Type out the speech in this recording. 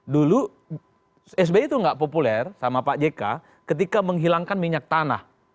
dulu sby itu nggak populer sama pak jk ketika menghilangkan minyak tanah